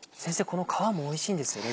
この皮もおいしいんですよね？